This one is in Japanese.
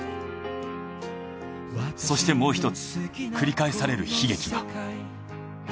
そしてもう一つ繰り返される悲劇が。